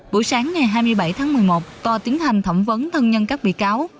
buổi sáng ngày hai mươi bảy tháng một mươi một tòa tiến hành thẩm vấn thân nhân các bị cáo